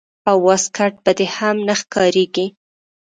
او واسکټ به دې هم نه ښکارېږي.